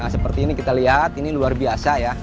seperti ini kita lihat ini luar biasa ya